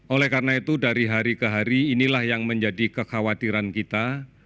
oleh karena itu dari hari ke hari inilah yang menjadi kekhawatiran kita